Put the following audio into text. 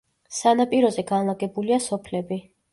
სანაპიროზე განლაგებულია სოფლები.